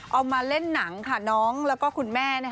เอามาเล่นหนังค่ะน้องแล้วก็คุณแม่